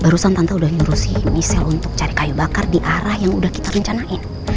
barusan tante udah nyuruh di sale untuk cari kayu bakar di arah yang udah kita rencanain